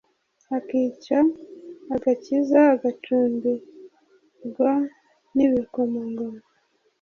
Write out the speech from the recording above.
akica agakiza, agacungirwa n'ibikomangoma.